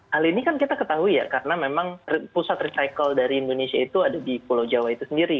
hal ini kan kita ketahui ya karena memang pusat recycle dari indonesia itu ada di pulau jawa itu sendiri